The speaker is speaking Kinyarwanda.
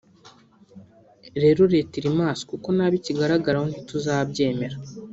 rero Leta iri maso kuko n’abo ikigaragaraho ntituzabyemera